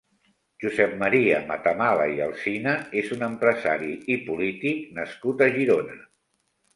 Josep Maria Matamala i Alsina és un empresari i polític nascut a Girona.